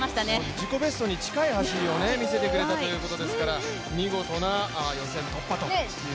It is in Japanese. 自己ベストに近い走りを見せてくれたということですから、見事な予選突破ということになりました。